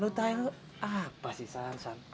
lu tau apa sih san